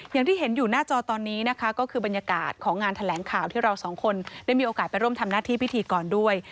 อย่างที่เห็นอยู่หน้าจอตอนนี้นะคะก็คือบรรยากาศของงานแถลงข่าวที่เราสองคนได้มีโอกาสไปร่วมทำหน้าที่พิธีกรด้วย